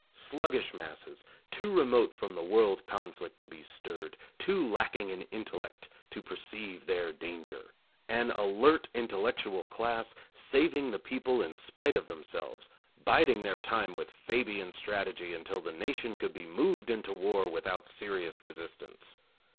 Sluggish masses, too remote from the world conflict to be stirred, too lacking in intellect to perceive 'their danger! An alert intellectual class, saving the people in spite of themselves, biding their time with Fabian strategy until the nation could be moved into war without serious resistance